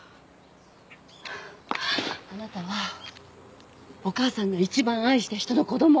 あなたはお母さんが一番愛した人の子供。